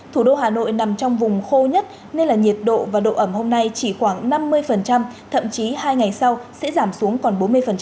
thủ đô hà nội nằm trong vùng khô nhất nên là nhiệt độ và độ ẩm hôm nay chỉ khoảng năm mươi thậm chí hai ngày sau sẽ giảm xuống còn bốn mươi